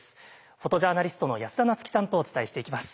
フォトジャーナリストの安田菜津紀さんとお伝えしていきます。